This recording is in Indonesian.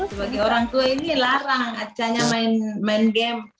sebagai orang tua ini larang kacanya main game